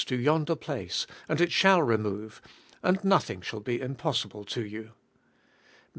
to yonder place; and it shall, remove; and nothing shall be impossible to you (Matt.